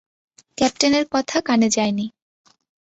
ক্যাপ্টেনের কথা কানে যায়নি!